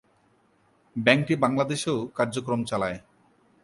ব্যাংকটি বাংলাদেশেও কার্যক্রম চালায়।